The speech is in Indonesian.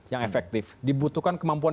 yang efektif dibutuhkan kemampuan